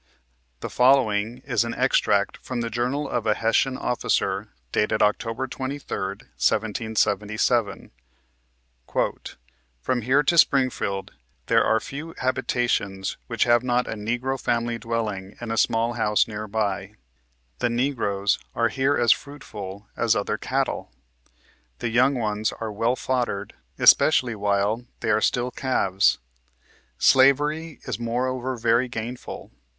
The following is an extract from the journal of a Hessian officer, dated October 23d, 1777 :" From here to Springfield, there are few habitations jphich have not a Negro family dwelling in a small house near by. The Negroes are here as fruitful as other cattle. The young ones are well foddered, especially while they are still calves. " Slavery is moreover very gainful.